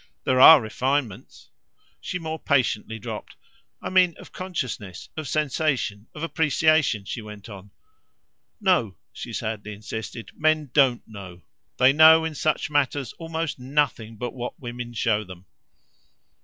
There are refinements !" she more patiently dropped. "I mean of consciousness, of sensation, of appreciation," she went on. "No," she sadly insisted "men DON'T know. They know in such matters almost nothing but what women show them."